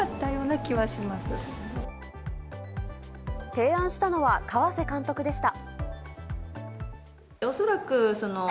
提案したのは河瀬監督でした。